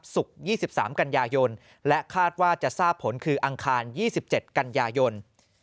๒๓กันยายนและคาดว่าจะทราบผลคืออังคาร๒๗กันยายน